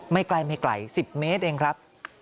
ไม่ไกล๑๐เมตรเองครับ